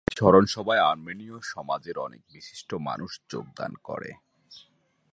সেই স্মরণসভায় আর্মেনিয় সমাজের অনেক বিশিষ্ট মানুষ যোগদান করে।